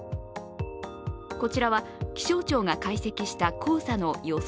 こちらは気象庁が解析した黄砂の予想